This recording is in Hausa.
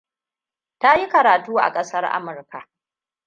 Ta yi karatu a kasar Amurka.